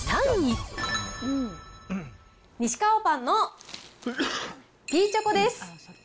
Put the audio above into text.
ニシカワパンのピーチョコです。